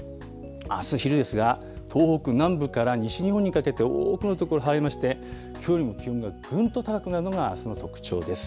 あす昼ですが、東北南部から西日本にかけて多くの所晴れまして、きょうよりも気温がぐんと高くなるのがあすの特徴です。